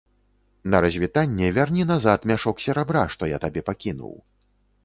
На развітанне вярні назад мяшок серабра, што я табе пакінуў.